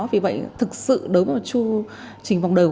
vì vậy thực sự đối với một chu trình vòng đời